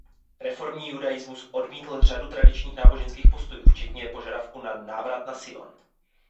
Reformní judaismus odmítl řadu tradičních náboženských postojů včetně požadavku na „návrat na Sion“.